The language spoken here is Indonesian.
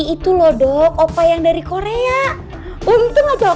itu lodok oppa yang dari korea untung atau